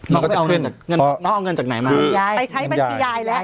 น้องก็ไปเอาเงินจากเงินน้องเอาเงินจากไหนมายายไปใช้บัญชียายแล้ว